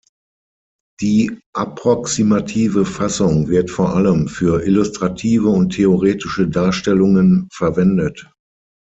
Die approximative Fassung wird vor allem für illustrative und theoretische Darstellungen verwendet.